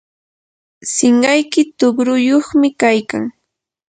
sinqayki tuqruyuqmi kaykan.